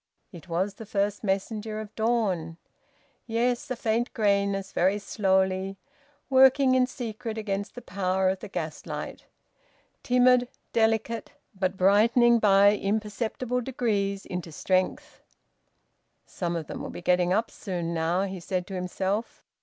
It was the first messenger of the dawn. Yes, a faint greyness, very slowly working in secret against the power of the gaslight: timid, delicate, but brightening by imperceptible degrees into strength. "Some of them will be getting up soon, now," he said to himself.